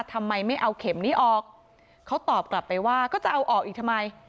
ทำไมไม่เอาเข็มนี้ออกเขาตอบกลับไปว่าก็จะเอาออกอีกทำไม